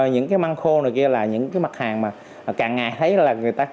những cái măng khô này kia là những cái mặt hàng mà càng ngày thấy là người ta